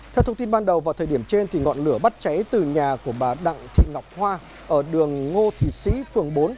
theo thông tin ban đầu vào thời điểm trên ngọn lửa bắt cháy từ nhà của bà đặng thị ngọc hoa ở đường ngô thị sĩ phường bốn